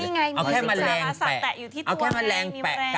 ก็นี่ไงมีจิงจาราสัตว์แตะอยู่ที่ตัวไงมีแมลง